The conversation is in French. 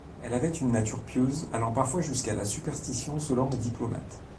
Elle avait une nature pieuse, allant parfois jusqu'à la superstition selon les diplomates.